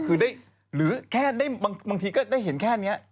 คือได้แค่บางทีก็ได้เห็นแค่เนี่ย